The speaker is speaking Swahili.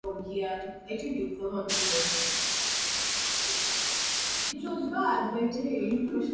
Tovuti ya habari ya Iran iliripoti kuwa serikali imesitisha kwa upande mmoja mazungumzo na Saudi Arabia